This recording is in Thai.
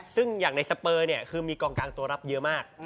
ซึ่งอย่างในสเปอร์เนี่ยคือมีกองกลางตัวรับเยอะมาก